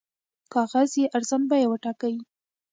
کاغذ یې ارزان بیه وټاکئ.